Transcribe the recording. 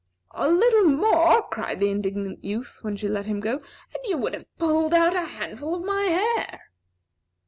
"A little more," cried the indignant youth, when she let him go, "and you would have pulled out a handful of my hair."